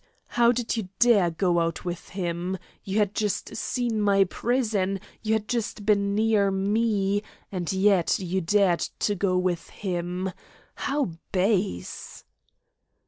How did you dare go out with him? You had just seen my prison, you had just been near me, and yet you dared go with him. How base!"